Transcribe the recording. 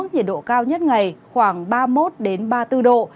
nhiệt độ cao nhất ngày khoảng ba mươi một ba mươi bốn độ